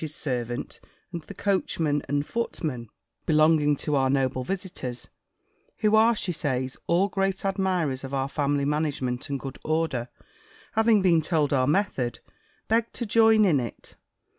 's servant, and the coachmen and footmen belonging to our noble visitors, who are, she says, all great admirers of our family management and good order, having been told our method, begged to join in it.